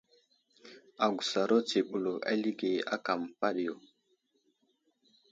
Agusaro tsiɓlo alige áka məpaɗiyo.